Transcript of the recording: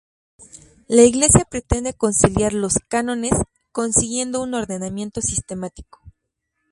La Iglesia pretende conciliar los cánones, consiguiendo un ordenamiento sistemático.